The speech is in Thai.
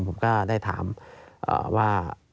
ผมก็ได้ถามว่า